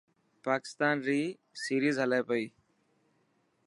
پاڪستان ري سيريز هلي پئي.